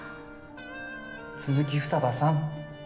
「鈴木二葉さん」